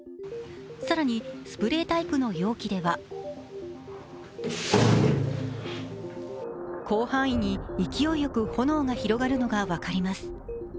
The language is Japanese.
更にスプレータイプの容器では広範囲に勢いよく炎が広がるのが分かります。